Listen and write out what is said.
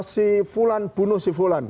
si fulan bunuh si fulan